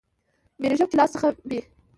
بیریږم چې له لاس څخه مې